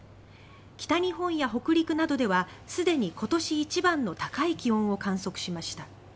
北日本や北陸などではすでに今年一番の高い気温を観測しました。